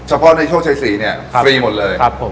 เฉพาะในโชคชัย๔เนี่ยฟรีหมดเลยครับผม